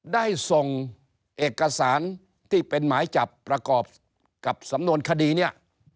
ได้ส่งเอกสารที่เป็นหมายจับประกอบกับสำนวนคดีเนี่ย